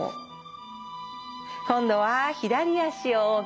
今度は左足を大きく一歩前。